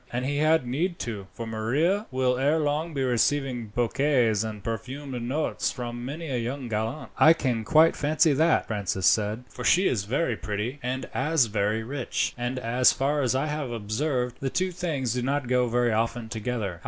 And he had need to, for Maria will ere long be receiving bouquets and perfumed notes from many a young gallant." "I can quite fancy that," Francis said, "for she is very pretty as well as very rich, and, as far as I have observed, the two things do not go very often together.